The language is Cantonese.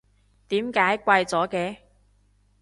點解貴咗嘅？